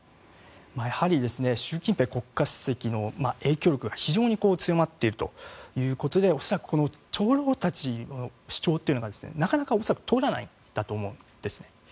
やはり習近平国家主席の影響力が非常に強まっているということで恐らくこの長老たちの主張というのがなかなか恐らく通らないんだと思うんですね。